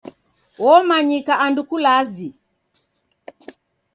Womanyika andu kulazi.